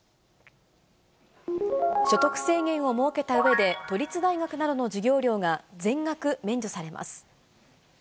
所得制限を設けたうえで、都立大学などの授業料が全額免除されます。